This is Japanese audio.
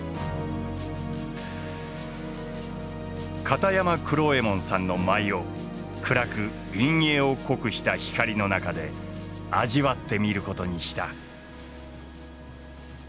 片山九郎右衛門さんの舞を暗く陰影を濃くした光の中で味わってみることにした。